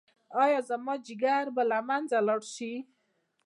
ایا زما ځیګر به له منځه لاړ شي؟